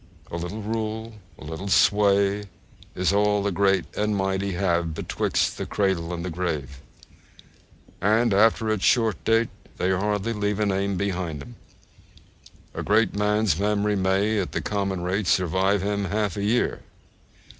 A little rule, a little sway, Is all the great and mighty have Betwixt the cradle and the grave and, after its short date, they hardly leave a name behind them. 'A great man's memory may, at the common rate, survive him half a year.'